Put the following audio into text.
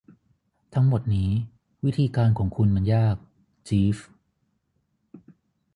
ทั้งหมดนี้ วิธีการของคุณมันยาก จีฟ